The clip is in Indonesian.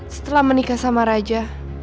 setelah menikah sama raja